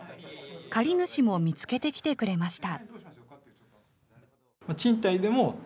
借り主も見つけてきてくれました。